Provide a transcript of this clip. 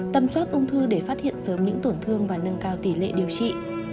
tâm soát ung thư để phát hiện sớm những tổn thương và nâng cao tỷ lệ điều trị